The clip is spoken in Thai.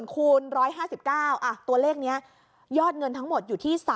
๒๐๐๐๐คูณ๑๕๙ตัวเลขนี้ยอดเงินทั้งหมดอยู่ที่๓๑๘๐๐๐๐